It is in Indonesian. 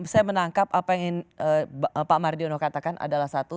saya menangkap apa yang ingin pak mardiono katakan adalah satu